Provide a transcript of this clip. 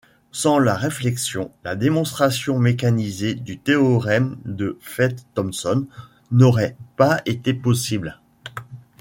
Sans la réflexion, la démonstration mécanisée du théorème de Feit-Thompson n'aurait pas été possible.